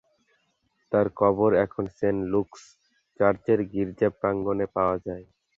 তার কবর এখন সেন্ট লুকস চার্চের গির্জা প্রাঙ্গনে পাওয়া যায়।